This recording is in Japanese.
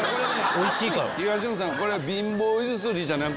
おいしいから？